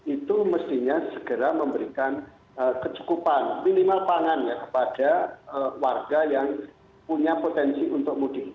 itu mestinya segera memberikan kecukupan minimal pangan ya kepada warga yang punya potensi untuk mudik